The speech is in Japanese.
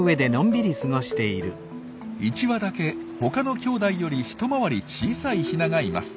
１羽だけほかのきょうだいより一回り小さいヒナがいます。